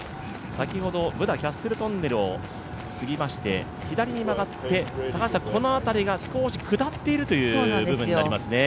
先ほど、ブダ・キャッスル・トンネルを過ぎまして、左に曲がって、この辺りが少し下っているという部分になりますね。